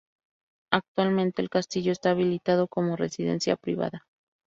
Actualmente el castillo está habilitado como residencia privada.